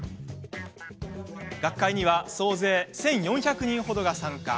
学会には総勢１４００人程が参加。